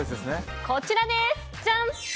こちらです。